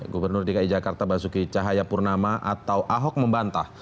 gubernur dki jakarta basuki cahaya purnama atau ahok membantah